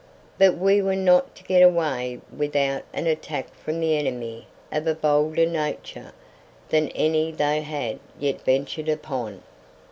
But we were not to get away without an attack from the enemy of a bolder nature than any they had yet ventured upon.